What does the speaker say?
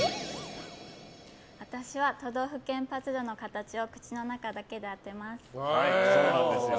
私は、都道府県パズルの形を口の中だけで当てます。